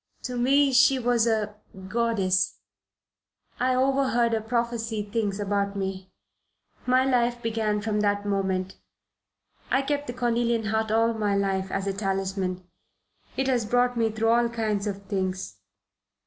To me she was a goddess. I overheard her prophesy things about me. My life began from that moment. I kept the cornelian heart all my life, as a talisman. It has brought me through all kinds of things.